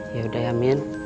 yaudah ya mimin